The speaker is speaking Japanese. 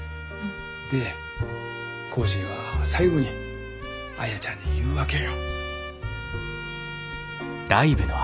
でコージーは最後にアヤちゃんに言うわけよ。